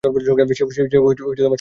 সেও শয়তানের দাস!